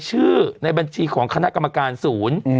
ชื่อในบัญชีของคณะกรรมการศูนย์